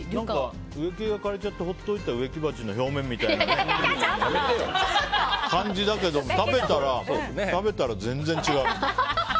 植え木が枯れちゃった植木鉢の表面みたいな感じだけど食べたら全然違う。